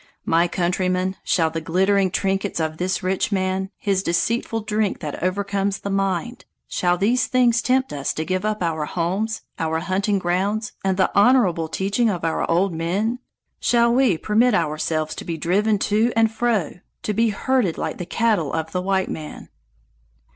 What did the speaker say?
"My countrymen, shall the glittering trinkets of this rich man, his deceitful drink that overcomes the mind, shall these things tempt us to give up our homes, our hunting grounds, and the honorable teaching of our old men? Shall we permit ourselves to be driven to and fro to be herded like the cattle of the white man?"